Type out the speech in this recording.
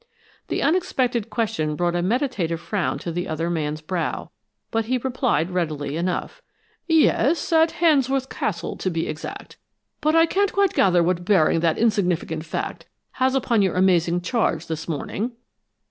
The unexpected question brought a meditative frown to the other man's brow, but he replied readily enough: "Yes, at Handsworth Castle, to be exact. But I can't quite gather what bearing that insignificant fact has upon your amazing charge this morning."